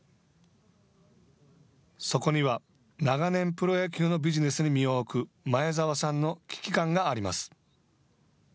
そこには、長年プロ野球のビジネスに身を置く前沢さんの危機感があります。